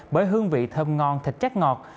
bởi hương vị thơm ngon thịt chắc ngọt